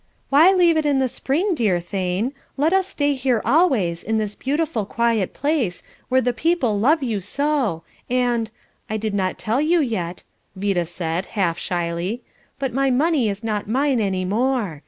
"Why leave it in the spring, dear Thane? Let us stay here always, in this beautiful, quiet place, where the people love you so, and I did not tell you yet," Vida said, half shyly, "but my money is not mine any more.